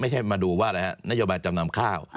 ไม่ใช่มาดูว่านโยบายจำนำข้าว